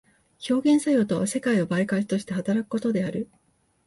表現作用とは世界を媒介として働くことである。